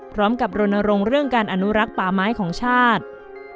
รณรงค์เรื่องการอนุรักษ์ป่าไม้ของชาติ